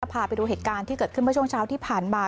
พาไปดูเหตุการณ์ที่เกิดขึ้นเมื่อช่วงเช้าที่ผ่านมา